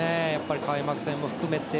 開幕戦も含めて。